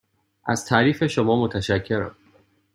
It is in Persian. از تعریف شما متشکرم.